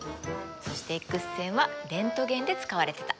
そしてＸ線はレントゲンで使われてた。